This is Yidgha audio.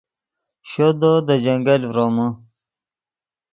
شودو دے جنگل ڤرومے